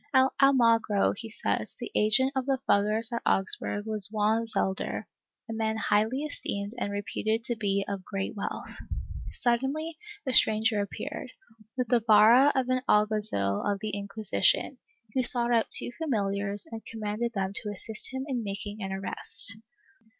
At Almagro, he says, the agent of the Fuggers of Augsburg was Juan Xelder, a man highly esteemed and reputed to be of great wealth. Suddenly a stranger appeared, with the vara of an alguazil of the Inquisition, who sought out two familiars and commanded them to assist him in making an arrest.